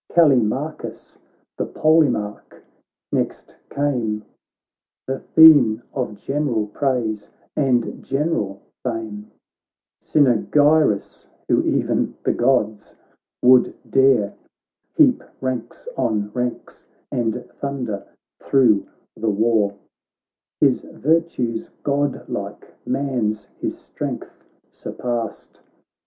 Callimachus the Polemarch next came, The theme of general praise and general fame. Cynaegirus, who e'en the Gods would dare. Heap ranks on ranks, and thunder thro' the war ; His virtues godlike ; man's his strength surpassed.